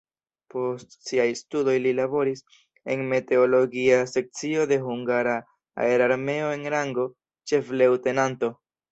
Post siaj studoj li laboris en meteologia sekcio de hungara aerarmeo en rango ĉef-leŭtenanto.